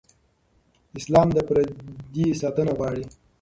اسلام د پردې ساتنه غواړي.